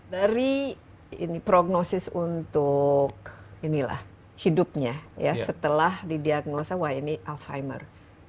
dari prognosis untuk hidupnya setelah didiagnosa wah ini alzheimer